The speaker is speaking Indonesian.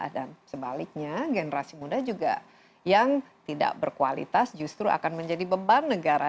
dan sebaliknya generasi muda juga yang tidak berkualitas justru akan menjadi beban negara